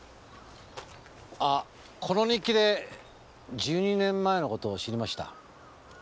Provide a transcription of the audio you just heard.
あこの日記で１２年前の事を知りました。